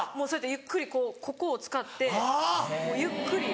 ゆっくりこうここを使ってゆっくり。